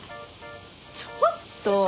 ちょっと！